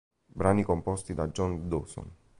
Brani composti da John Dawson.